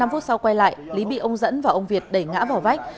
năm phút sau quay lại lý bị ông dẫn và ông việt đẩy ngã vào vách